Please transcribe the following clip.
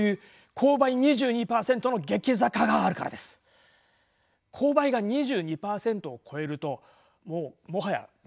勾配が２２％を超えるともうもはや壁です。